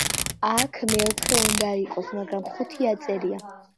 აქ მეოთხე უნდა იყოს მაგრამ ხუთი აწერია.